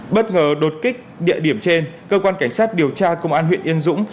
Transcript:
bất ngờ đột kích địa điểm trên cơ quan cảnh sát điều tra công an huyện yên dũng